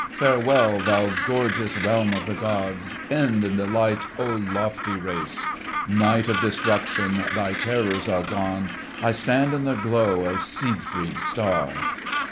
Farewell thou gorgeous Realm of the gods! End in delight O lofty race! Night of destruction Thy terrors are gone; I stand in the glow Of Siegfried's star!"